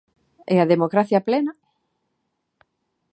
E a democracia plena?